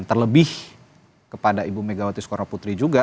terlebih kepada ibu megawati soekarnoputri juga